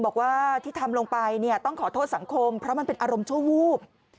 บอกว่าที่ทำลงไปเนี่ยต้องขอโทษสังคมเพราะมันเป็นอารมณ์ชั่ววูบ